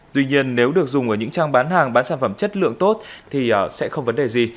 tuy nhiên nếu được dùng ở những trang bán hàng bán sản phẩm chất lượng tốt thì sẽ không vấn đề gì